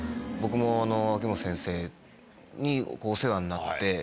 僕も秋元先生にお世話になって。